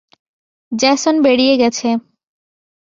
Jason বেরিয়ে গেছে।